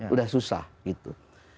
sudah susah gitu